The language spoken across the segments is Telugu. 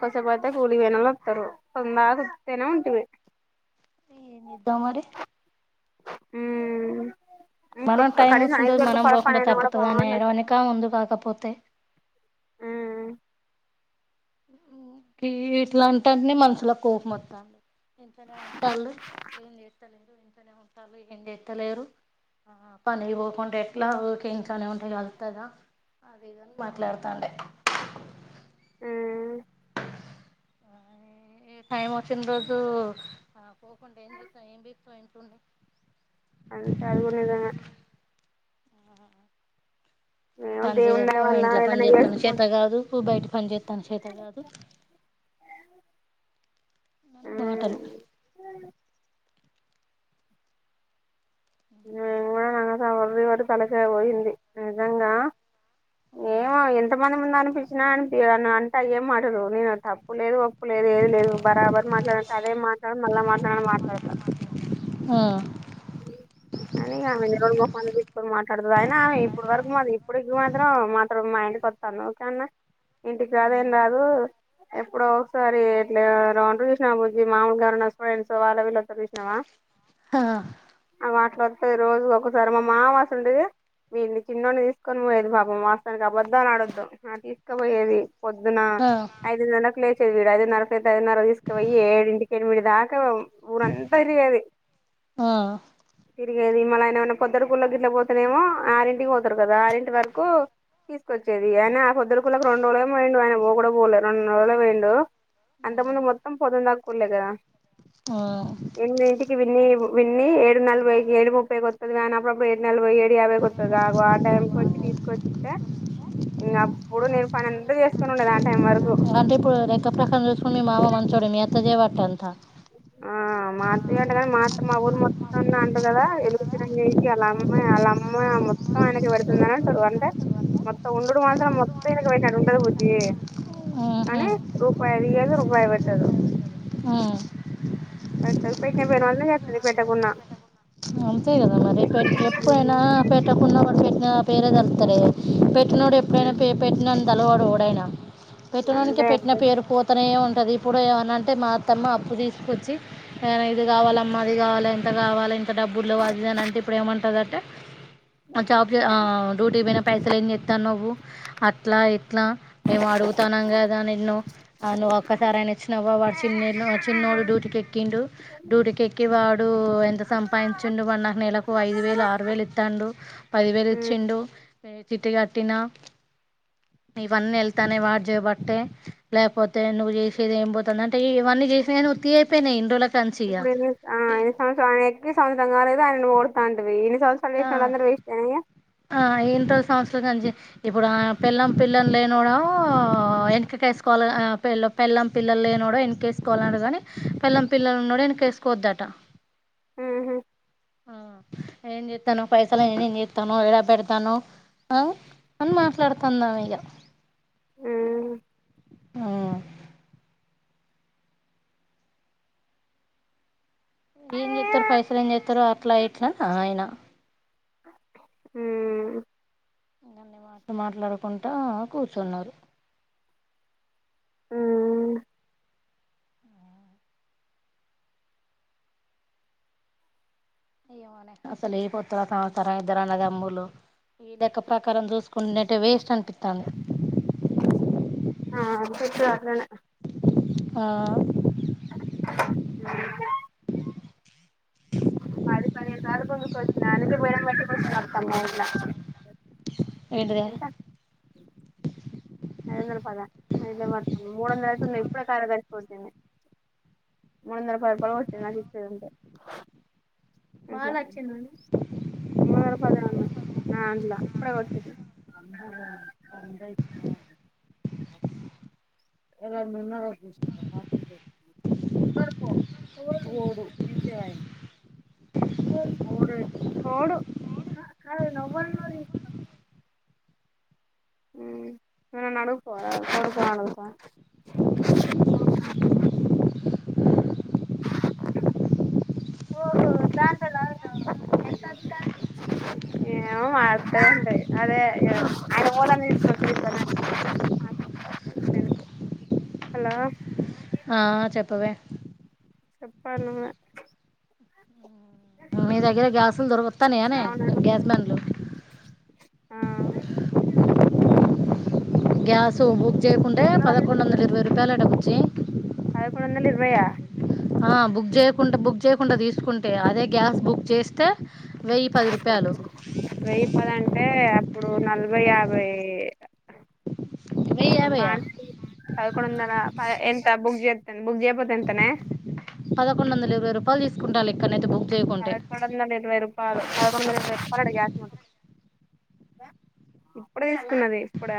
కాసేపు పోతే [unintelligible] [inaudible] అత్తేనా ఉంటంది ఏం చేద్దాం మరి హ మనం టైం వచ్చిన రోజు మనం పోకుండా కూడా తప్పుతుద బాగుండు అసలు అనియనికా ఉందు కాకపోతే అ ఇట్లాంటంటనే మనసులో కోపంత్తాడి ఇంతనే ఉంట ఏం చేస్తలేదు ఇంతనే ఉంటాలు ఏం చేస్తలేరు ఆ పని పోకుండా ఎట్లా చని ఉండ అలుతదా అది ఇని మాట్లాడతాండే ఆ టైం వచ్చిన రోజు పోకుండా ఏం చేస్తాం ఏం పీకుతావు ఇంట్లో అంతే అది కూడా నిజమే ఆహ మేము పని దేవుని చేయదు, దయ వల్ల ఇంట్లో పని ఏదైనా చేత్తానికి చేసుకుం చేత కాదు, బయట పంజేత్ త్తని చేత కాదు. అని మాటలు. ఉమ్ ఉమ్ మానాన ఒర్రి, ఒర్రి తలకాయ పోయింది, నిజంగా ఏమో ఎంతమంది ముందు అనిపించినా అనిపి అన్న అంటే ఏం రోనీనా తప్ ప్పు లేదు ఒప్పు లేదు ఏది లేదు. బరాబర్ మాట్లాడంటె అదే మాట్లాడ్ మళ్ళా మాట్లాడన్న మాట్లాడతా. ఆ అనీ ఆమె తెల్వని మొఖాన్ని తీసుకొని మాట్లాడుతదా? అయినా ఆమె ఇప్పుడు వరకు మా ఇప్పుడు మాత్రం మాత్రం మా ఇంటికి వస్తాందా ఊకే ఏమన్నా? ఇంటికి రాదేం ఆ రాదు, ఎప్పుడో ఒకసారి ఇట్ల ర చూసినా బుజ్జి మాములుగా ఎవరన్న ఫ్రెండ్సో, వాళ్ళో, వీళ్ళోత్తరు చూసినవా? హ హా వాటిలత్తది రోజు, ఒకోసారి మా మామ అసోంటిది వీన్ని చిన్నోడి తీసుకొని పోయేది. పాపం వాస్తవానికి అబద్దాలు అడొద్దు. ఆ తీసుకుపోయేది. పొద్దున ఐదుగంటలకు లెస్ చె విడు ఐదున్నరకు లెత్తే ఐదున్నరకు తీసుకపోయి, ఏడింటికి ఎనిమిదింటిదాక ఊరంతా తిరిగేది. ఆ మళ్ళీ ఆయన ఏమన్న పొద్దటి కూళ్ళ గిట్ల పోతునేమో ఆరింటికి పోతరు కదా, ఆరింటి వరకు తీసుకొచ్చేది. ఆయన ఆ పొద్దుటి కూళ్ళకు రెండు రోజులేమో పోయిండు, ఆయన పో కూడా పోలే రెండు రోజులు పోయిండు. అంతకుముందు మొత్తం పొందుందాక కూళ్లేగదా. ఆ ఇవి లేవు. విన్ని ఏడు నలభైకి, ఏడు ముప్పై కొత్తది వ్యాన్. అప్పుడప్పుడు ఏడు నలభై, ఏడు యాభై కొత్తది ఆగో, ఆ టైంకి వచ్చి తీసుకొచ్చిస్తే ఇంగ అప్పుడు నేను పని ఎంత చేసుకుని ఉండేది ఆ టైం వరకు. అంటే ఇప్పుడు లెక్క ప్రకారం చూసుకుంటే మీ మామ మంచోడు, మీ అత్త చేయబట్ టె అంత. ఆ మాత్తయే అట్ల కానీ మా అత్ మా ఊరు మొత్తంల అంటరు కదా, ఎందుకిచ్చి [unintelligible] ఆళ్ళ అమ్మాయి ఆళ్ళ అమ్మాయి మొత్తం ఆయనకి పెడుతుందిని అంటరు. అంటే మొత్తం ఉండుడు వాళ్ళతోనే మొత్తం ఈనెకే పెట్టినట్టు ఉంటది బుజ్జి, ఆహా కానీ రూపాయి తియ్యదు రూపాయి పెట్టదు. ఆ పెట్టదు, పేట్న పేరు మాత్రం ఇగత్తది పేటాకున్నా. అంతేకదా మరి, పె ఎప్పుడైనా పెట్టకున్న కూడ్ నా పేరే తెల్తలేద్ పె పెట్ట్నోడు ఎప్పుడైనా, ఉమ్ పే పెట్నన్ తల్వడు ఓడయినా. పెట్టనోనికే అంతే పెట్టిన పేరు పోతనే ఉన్ త్తది ఇప్పుడు ఏమన్న అంటే మా అత్తమ్మ అప్పు తీసుకొచ్చి, ఆ ఇది కావాలమ్మా అది కావాలే ఎంత కావాలే ఇంత డబ్బుల్లేవ్ అదిదనంటే, ఇప్పుడు ఏమంటందంటే? అజాబ్ చె, ఆ డ్యూటీకి పోయిన పైసలెంచేత్తానవ్? అట్లా ఇట్ ట్లా మేము అడుగుతానమ్ గదా నిన్ను? ఆ ను ఒక్కసారి ఐన వచ్చినవా? వాడు చిన్న చిన్నోడు డూటికి ఎక్కిండు, డూటిక ఎక్కి వాడు ఎంత సం పైంచుండు వన్నాకు నెలకు ఐదు వేలు ఆరు వేలు ఇత్తాండు పది వేలు ఉమ్ ఇచ్చిండు చిట్టికట్టినా ఇవన్నీ వెళ్తానే వాడ్ జేబట్టే లేకపోతే నువ్వు చేసేది ఏం బోతాంది అంటే ఇవన్నీ చేసినయి ఉత్యయిపోయినయ్ ఇన్రోలకు ఇప్పుడు ఎన్ని ఆ సంవ ఎక్కి సంవత్సరం కాలేదు ఆయనను ఓడుతాంటివి ఇన్ని సంవత్సరాలు ఆ చేసిన వాళ్ళందరూ వేస్టేనా ఇగ ఆ ఏంటో సం తూదంజే ఇప్పుడు ఆ పెళ్లం పిల్లలు లేనోడొ వెనకకు వేసుకోవాలి ఆ పెళ్ళాం పెళ్ల్లం పిల్లలు లేనోడ వెనక వేసుకోవాల కానీ పెళ్ల్లం పిల్లలున్నడ వెనక వేసుకోవద్దట హ్మ్ హు ఆ ఏం జేత్తాను పైసలు నేనేం జేత్తాను ఎడా పెడతాను ఆ అని మాట్లాడతాందా ఆమె ఇగ హ్మ్ ఆ ఏం జేత్తారు పైసలు ఏం జేత్తారు అట్లా ఇట్ల ఆయన హ్మ్ ఇంగ అన్ని మాటలు మాట్లాడకుంటా కూర్చున్నారు హ్మ్ ఏమోనే అసలు ఈ పొత్తుల సంసారా ఇద్దరన్నదమ్మూలు ఈ లెక్క ప్రకారం చూసుకుంటున్నట్టే వేస్ట్ అనిపిత్తాంది. ఆ అనిపిత్తది అట్లనే ఆ పది పదిహేను గుంజుకు వచ్చిన అందుకే మేడ పెట్టికుచ్చనారు మా ఇంట్లా ఏంటిదే ఎంత ఐదు వందల పద మ ప మూడు వందల అయితేందియి ఇప్పుడే కార్యదర్శి వచ్చింది మూడు వందల పది రూపాయలు వచ్చింది నాకు ఇచ్చేదుంటే మూడు వందల పదే ఉన్నాయి నా దంట్లో ఇప్పుడే వచ్చింది ఎలా ఉంటే ఉ నువ్ నన్ను అడుగుపో [unintelligible] ఓహో దాంట్లో లాగినవ ఎంతొచ్చా ఆ చెప్పవే చెప్పాలి నువ్వే మీ దగర గ్యాస్లు దొరుకతానయనే అవునా మా గ్యాస్ ఫ్రెండ్ బండ్లు ఆ గ్యాస్ బు జేకుంటే కూలర్లు పదకొండు వందల తీసుకొద్దాం ఇరవై రూపాయలు అట బుచ్చి పదకొండు వందల ఇరవై ఆ ఆ బుక్ జే కుంట బుక్ చేయకుండా తీసుకుం అంటే అదే గ్యాస్ బుక్ చేస్తే వెయ్యి పది రూపాయలు ఇప్పుడు నలభై యాభై వెయ్యి యాభైయా బానే పద్కొండదల ఎంత బుగ్ చేతే బుగ్ చేయకపోతే ఎంతనే పదకొండు వందల ఇరవై రూపాయలు తీసుకుంటాలి ఇక్క ఎందుకు పద్కొండదల ఇరవై రూపాలు పద్కొండదల ఇరవై రూపాయలు ఇప్పుడు తీసుకున్నది ఇప్పుడ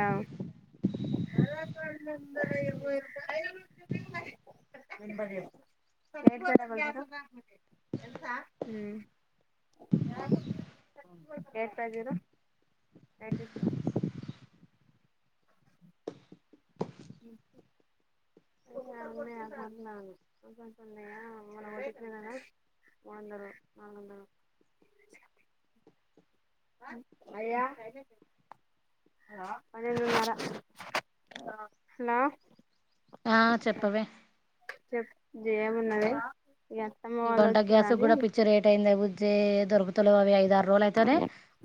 ఎయిట్ ఫైవ్ జీరో వన్ మూడు వందలు నాలుగు వందలు పన్నెండు నారా హలో ఆ చెప్పవే చెప్ ఏమున్నది ఈ అత్తమ్మ వాళ్ళు ఇవంట వచ్చిర్రు గ్యాస్ కూడా పిచ్చ రేట్ అయింది బుజ్జే దొరుకు తలవేయి ఐ ఆరు రోజులు అయితేనే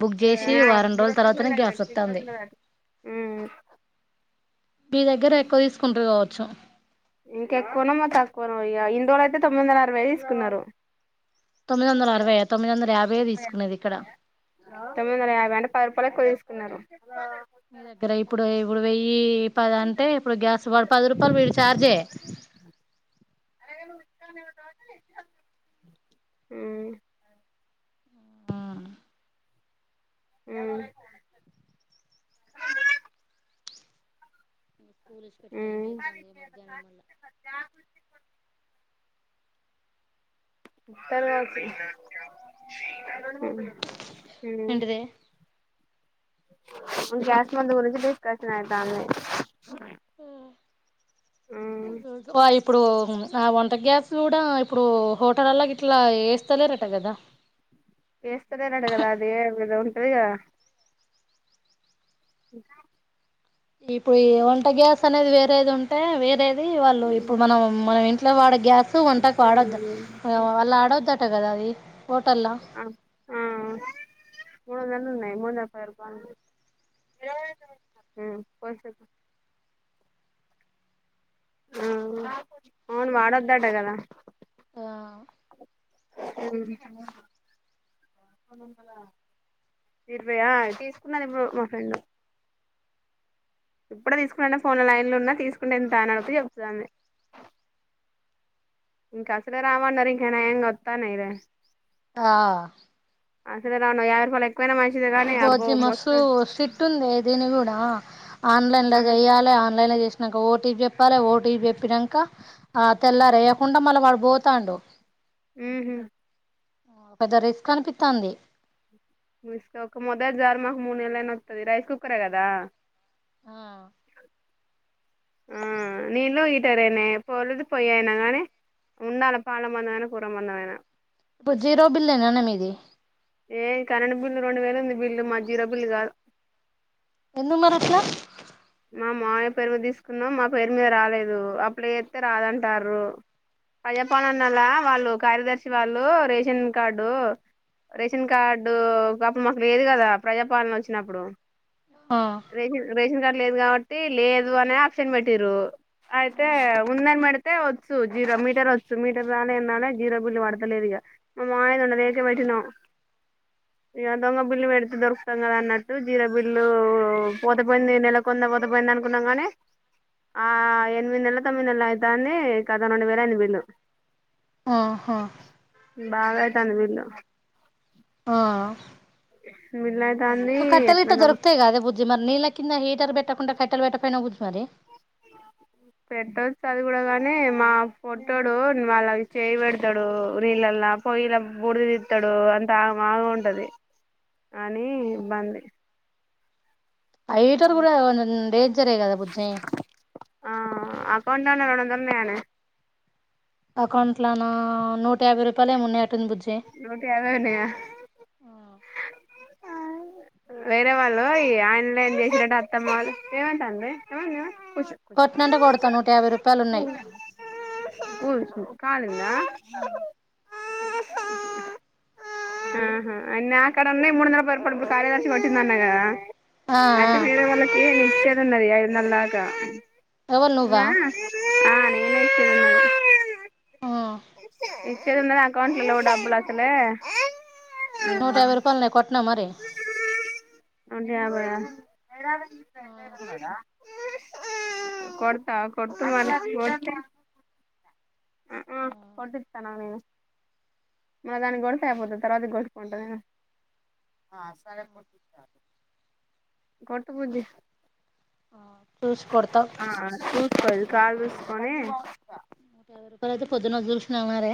బుక్ చేసి వారం రోజుల తర్వాతనే గ్యాస్ వస్తుంది అని మీ దగ్గర ఎక్కువ తీసుకుంటారు కావచ్చు చ్చు ఇంకా ఎక్కువన మత్తం తక్కువన ఇ ఇందుజు అయితే తొమ్మిది వందల అరవై తీసుకున్నారు తొమ్మిది వందల అరవై తొమ్మిది వందల యాభై తీసుకునేది ఇక్కడ తొమ్మిలంట పరుపోలే కొ మీ దగ్గర ఇప్పుడు ఇప్పుడు వెయ్య ఈ పద అంటే ఇప్పుడు గ్యాస్ కూడా పది రూపాయలు వీడి ఛార్జే అ అ స్కూల్ పెట్టే టైం మ్మ్ అయితుంది మధ్యాహ్నం వల్ల ఉత్తరగాసి హ ఏంటిది గ్యాస్మంది గురించి డిస్కషన్ ఆయతా మ్మ్ ఇప్పుడు ఆ వంట గ్యాస్ కూడా ఇప్పుడు హోటల్ అలాకి ఇట్లా వేస్తలేరట కదా వేస్తదే అడుగదా అది ఏ ఇద ఉంటదిగా ఇప్పుడు ఈ వంట గ్యాస్ అనేది వేరేది ఉంటే వేరే వాళ్ళు ఇప్పుడు మనం మనం ఇంట్లో వాడ గ్యాస్ వంటకు వాడొద్దు వాళ్ళు ఆడొద్ టగదది ఆ ఆ మూంద జ ఉన్నాయి మూంద రపాయకు కోస ఆ అవును అవును వాడొద్దట కదా ఆ ఉమ్ హా ఇర్యా తీసుకున్నారేమో మా ఫ్రెండ్ ఇప్పుడే తీసుకున్ననే ఫోన్ లో లైన్ లో ఉన్నా తీసుకుంటే ఎంత అని అడుగుత చెప్తాంది. ఇంకా అసలే రామన్నర ఇంకనాఎంత్తానే ఇర ఆ అసలు రాన్నా ఎవరి ఫ ఇ బోజీ మసు స్ట్ ఉంది దీని కూడా ఆన్లైన్ లా ఆ చేయాలి ఆన్లైన్ చేసు ఇక ఓటీకి చెప్పాలి ఓటీకి చెప్పాక ఆ తెల్లార వేయకుండా మళ్ళీ వాడు పోతాడు ఆహ పెద్ద రిస్క్ కనిపిస్తుంది ము ఒక మొద జార్ మాకు మూడు నెలయినా వతుది రైస్ కుక్కరే కదా ఆ ఉమ్ నీళ్లు హీటర్ ఎయినే పోలేదు పోయయినా గాని ఉండాలి పాల మందమైనా కూరబందంమైనా ఇప్పుడు జీరో బిల్ ఏనాన్న మీది ఏ కరెంట్ బిల్లు రెండు వేలు ఉంది బిల్లు మాది జీరో బిల్లు కాదు ఎందు మరి అట్ల మా మావయ్య పేరు మీద తీసుకున్నాం మా పేరు మీద రాలేదు అప్లై చేతే రాదంటారు ప్రజాపాలనన్నల్ల వాళ్ళు కార్యదర్శి వాళ్ళు రేషన్ కార్డు రేషన్ కార్డు అప్పుడు మాకు లేదు కదా ప్రజాపాలన వచ్చినప్పుడు ఆ రేష ర లేదు కాబట్టి లేదు అనే ఆప్షన్ పెట్టిరు అయితే ఉందని పెడితే వచ్చు జీరో మీటర్ వచ్చు మీటర్ రాలేంరాలే జీరో బిల్లు పడతలేదు ఇక మా ఆయన న్నను దేక పెటిన ఇగ దొంగ బిల్లు పెడితే దొరుకుతాం కదా అన్నట్టు, జీర బిల్లు పోతపోయింది ఈ నెల. కొంద పోతె పోయింది అనుకున్నాం కానీ, ఆ ఎనిమిది నెలలు, తొమ్మిది నెలలు అయితాంది కద రెండు వేల అయింది బిల్లు. ఆహా బాగా అయితాంది బిల్లు ఆ బిల్లు అయితాంది మీకు కట్టెలు లిట్ట ఎట్లనో దొరకుతాయె గాదె బుజ్జి మరి నీళ్ళ కింద హీటర్ పెట్. పెట్టకుండా కట్టెలు పెట్టపోయిన ఉద్ మరి పెట్టొచ్చు అది కూడా కానీ మా పోట్టోడు మళ చేయి పెడతాడు, నీళ్ళలా, పొయ్యలా బుడిది తిత్తడు అంత ఆగమాగా ఉంటది అని. ఆ హీటర్ కూడా డేంజరే కదా బుజ్జి ఆ అకౌంట్లో అనా రెండు వందలు ఉన్నాయనే అకౌంట్లోనా నూట యాభై రూపాయలు ఏమో ఉన్నాయి నూట యాభై ఉన్నయా వేరే వాళ్ళు ఈ ఆన్లైన్ చేసిరంట అత్తమ్మాలు ఏమంటందే ఏమన్ ఏమన్ కొట్టినంటే కొడతా నూట యాభై రూపాయలు ఉన్నాయి ఉష్ కాలింద ఆహా నాకడ ఉన్నాయి మూడు వందల పది రూపాయలు, ఇప్పుడు కార్యదర్శి కొట్టింది అన్నా కదా. ఆ ఆ అట్టే వేరే వాళ్ళకి నేను ఇచ్చేది ఉన్నది ఐద్ వందల దాక ఎవరు నువ్వా ఇంగా ఆ [unintelligible] అకౌంట్లలో డబ్బులు అస్తలే నూట యాభై రూపాయలున్నయి కోట్న మ నూట యాభైయా ఎడ ఆ [unintelligible] కొడుతా కొట్టుమని కొట్టి అ ఆ కొట్టిత్తాను నేను మల దానికి కొడితే అయిపోతది తర్వాతకి గొటుకుంట నేను, కొట్టు బుజ్జి. చూసి కొడతావు ఆ సూస్కో కాల్ చూసుకొనే నూట యాభై రూపాయలైతే పొద్దున జూసిన మరే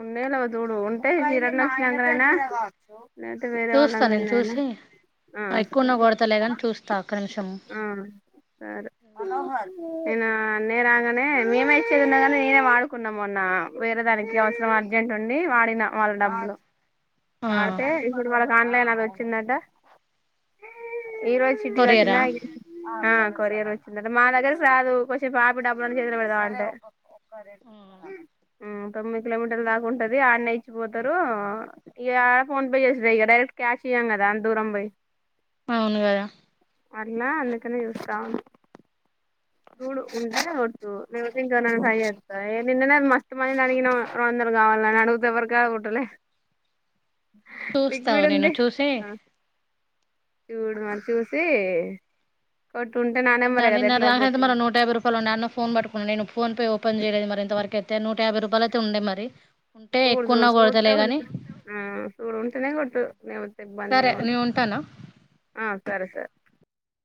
ఉండయో లేవో జూడు ఉంటే శినన్న వంచినంకనైనా, చూస్తా నేను చూసి, ఆ ఎక్కువున్న సరే కొడుతలే గాని చూస్తా ఒక్క నిమిష్ ఆ సరే నేనా న్నే రాంగనే మేమై ఇది ఉన్నగానీ వాడుకున్నా మొన్న వేరే దానికి అవసరం అర్జెంట్ ఉండి వాడిన వాళ్ళ డబ్బులు ఆ వాడితే ఇప్పుడు వాళకు ఆన్లైన్ వచ్చిందంట ఏ రోజు చిట్టి గట్ కొరియరా తిన్నాయి ఆ కొరియర్ వచ్చిందంట మా దగ్గరకి రాదు కొచ్సేపు ఆపి దబ్బు అని చేతుల పెడుదం అంటే. ఒక్క రెండు ఆ, నిమిషాలు ఆగవా మ్మ్ తొమ్మిది కిలోమీటర్ దాకా ఉంటుంది ఆన్నే చ్చి పొతరూ ఇగ ఫోన్ పే చేసుడే, ఇగ డైరెక్ట్ క్యాష్ ఇయ్యం గదా అంత్ దూరం పొయి. అవును గదా అట్లా అందుకనే జూస్తావున్న చూడు ఉంటే కొట్టు లేపోతే ఇంకెవరినైనా ట్రై చేస్తా. నిన్ననే మస్తు మందిని అడిగినం అందరు కావాల్న అని అడుగుతే ఎవరి కాడ కొట్టలే. చూస్తా లిక్విడ్ ఆగు నేను ఉంది చూసి ఆ చూడు మరి చూసీ కొట్టు ఉంటే నా నెమ్మరే కదా ఎట్లా గొ మర నూట యాబై రూపాయలు ఉండె అన్న ఫోన్ పట్టుకునుండే నేను ఫోన్ పే ఓపెన్ చెయ్యలెదు మరింతవరకై తే నూట యాభై రూపాయలు అయితే ఉండే మరి ఉంటే సూడు చూడు ఎక్కువన్నా చూత్తే కొడతలే ఉం కానీ ఆ చూడు ఉంటేనే కొట్టు లేవోతే సరే ఇబ్బందేమి వద్దు. నేను ఉంటానా ఆ సరే సరే,